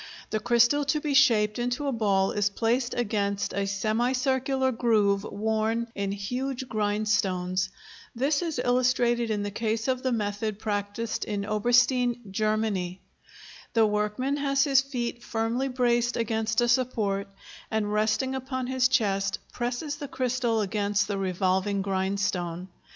The crystal to be shaped into a ball is placed against a semicircular groove worn in huge grindstones. This is illustrated in the case of the method practised in Oberstein, Germany. The workman has his feet firmly braced against a support, and, resting upon his chest, presses the crystal against the revolving grindstone.